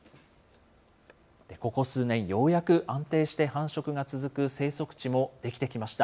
ここ数年、ようやく安定して繁殖が続く生息地もできてきました。